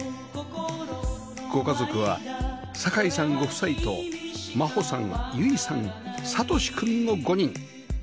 ご家族は酒井さんご夫妻と真秀さん結衣さん理志君の５人